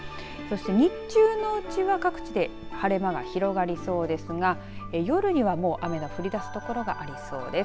日中のうちは各地で晴れ間が広がりそうですが夜には雨が降りだす所がありそうです。